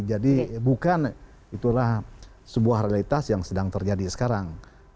jadi bukan itulah sebuah realitas yang sedang terjadi sekarang